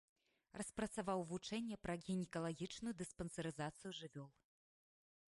Распрацаваў вучэнне пра гінекалагічную дыспансерызацыю жывёл.